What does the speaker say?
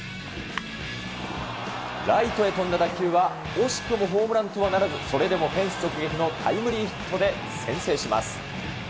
ライトへ飛んだ打球は、惜しくもホームランとはならず、それでもフェンス直撃のタイムリーヒットで先制します。